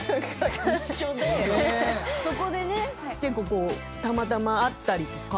そこでね結構たまたま会ったりとか。